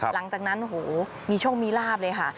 หลังจากนั้นโอ้โหมีโชคมีลาบเลยค่ะ